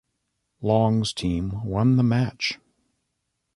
Long's team won the match.